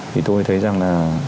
thì tôi thấy rằng là